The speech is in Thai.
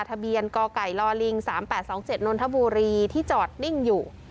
ทะเบียนกไก่ลิง๓๘๒๗นนทบุรีที่จอดนิ่งอยู่